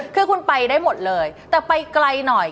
คือคุณไปได้หมดเลยแต่ไปไกลหน่อย